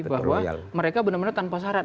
bahwa mereka benar benar tanpa syarat